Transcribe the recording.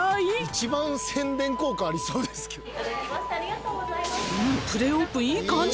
一番宣伝効果ありそうですけど。